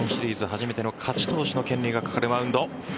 初めての勝ち投手の権利がかかるマウンド。